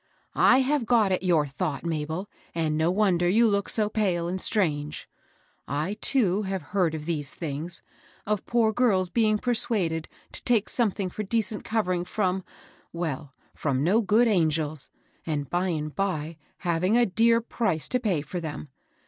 " I have got at your thought, Mabel ; and no wonder you look so pale and strange I I, too, have heard of these things, — of poor girls being persuaded to take something for decent covering from, — well, from no good angels, — and, by and by, having a dear price to pay for them.